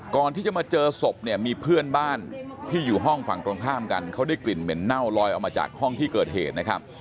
ก่อนที่จะมาเจอศพเนี่ยมีเพื่อนบ้านที่อยู่ห้องฝั่งตรงข้ามกันเขาได้กลิ่นเหม็นเน่าลอยออกมาจากห้องที่เกิดเหตุนะครับ